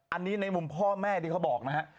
อันนี้ในมุมพ่อแม่ที่เขาบอกนะฮะ